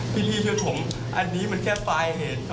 พี่ช่วยผมอันนี้มันแค่ปลายเหตุครับ